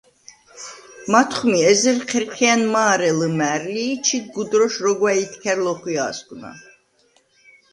მათხვმი ეზერ ჴერჴია̈ნ მა̄რე ლჷმა̄̈რლი ი ჩიდ გუდროშ როგვა̈ ითქა̈რ ლოხვია̄̈სგვნა.